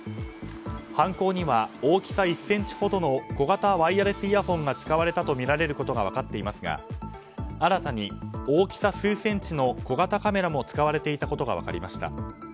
犯行には大きさ１ｃｍほどの小型ワイヤレスイヤホンが使われたとみられることが分かっていますが新たに大きさ数センチの小型カメラも使われていたことが分かりました。